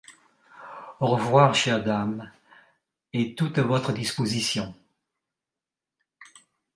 Au revoir, chère dame, et tout à votre disposition.